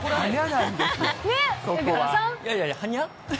いやいや、はにゃ。